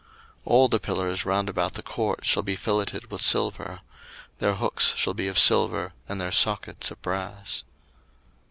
02:027:017 All the pillars round about the court shall be filleted with silver; their hooks shall be of silver, and their sockets of brass.